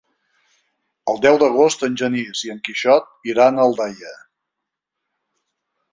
El deu d'agost en Genís i en Quixot iran a Aldaia.